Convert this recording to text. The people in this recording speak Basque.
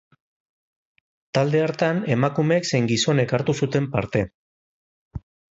Talde hartan emakumeek zein gizonek hartu zuten parte.